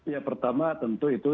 ya pertama tentu itu